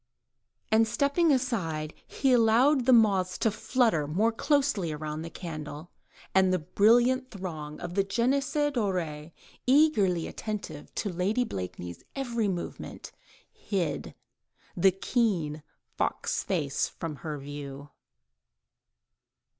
And stepping aside, he allowed the moths to flutter more closely round the candle, and the brilliant throng of the jeunesse dorée, eagerly attentive to Lady Blakeney's every movement, hid the keen, fox like face from her view.